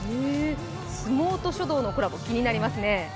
相撲と書道のコラボ気になりますね。